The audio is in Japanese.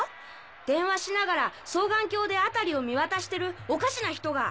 電話しながら双眼鏡で辺りを見渡してるおかしな人が。